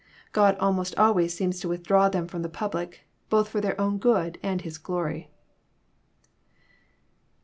God almost always seems to withdraw them firom the public, both for their own good and His glory.